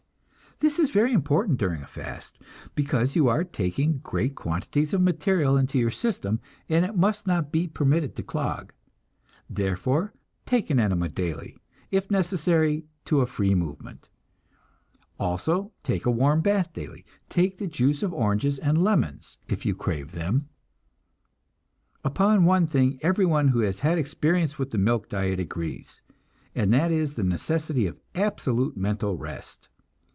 This is very important during a fast, because you are taking great quantities of material into your system and it must not be permitted to clog. Therefore take an enema daily, if necessary to a free movement. Also take a warm bath daily. Take the juice of oranges and lemons if you crave them. Upon one thing everyone who has had experience with the milk diet agrees, and that is the necessity of absolute mental rest.